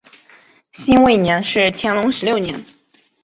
辛未年是乾隆十六年。